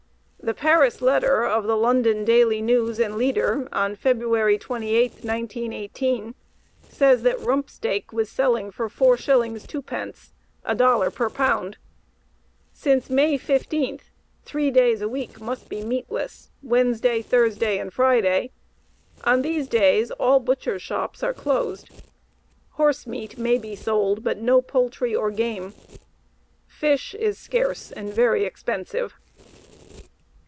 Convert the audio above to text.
The Paris letter of the London Daily News and Leader on February 28, 1918, says that rump steak was selling for 4 shillings 2 pence $1 per pound. Since May 15, 3 days a week must be meatless Wednesday, Thursday, and Friday. On these days all butchers' shops are closed. Horse meat may be sold, but no poultry or game. Fish is scarce and very expensive.